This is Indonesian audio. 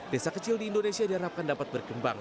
desa kecil di indonesia diharapkan dapat berkembang